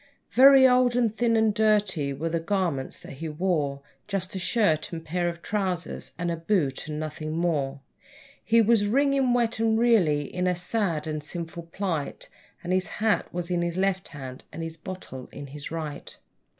Very old and thin and dirty were the garments that he wore, Just a shirt and pair of trousers, and a boot, and nothing more; He was wringing wet, and really in a sad and sinful plight, And his hat was in his left hand, and a bottle in his right.